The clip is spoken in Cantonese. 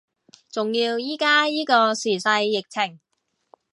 仲要依家依個時勢疫情